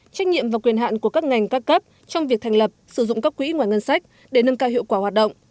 trách nhiệm và quyền hạn của các ngành các cấp trong việc thành lập sử dụng các quỹ ngoài ngân sách để nâng cao hiệu quả hoạt động